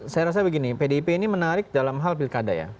saya rasa begini pdip ini menarik dalam hal pilkada ya